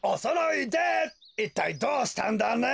いったいどうしたんだね？